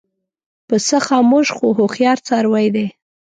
پسه خاموش خو هوښیار څاروی دی.